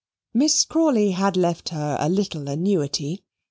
Miss Crawley had left her a little annuity.